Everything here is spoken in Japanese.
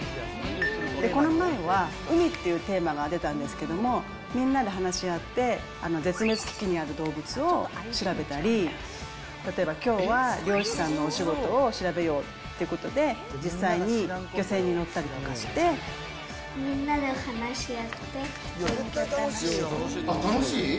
この前は海っていうテーマが出たんですけど、みんなで話し合って、絶滅危機にある動物を調べたり、例えばきょうは、漁師さんのお仕事を調べようってことで、みんなで話し合って勉強する楽しい？